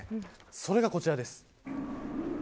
それがこちらです。